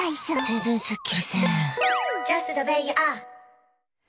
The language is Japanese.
全然すっきりせん。